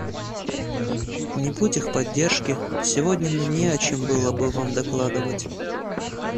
Не будь их поддержки, сегодня мне не о чем было бы вам докладывать.